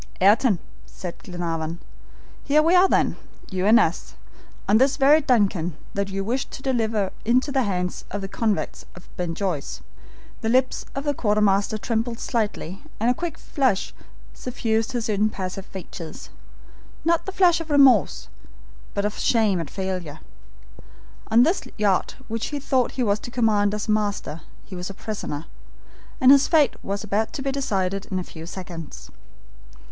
"Ayrton," said Glenarvan, "here we are then, you and us, on this very DUNCAN that you wished to deliver into the hands of the convicts of Ben Joyce." The lips of the quartermaster trembled slightly and a quick flush suffused his impassive features. Not the flush of remorse, but of shame at failure. On this yacht which he thought he was to command as master, he was a prisoner, and his fate was about to be decided in a few seconds.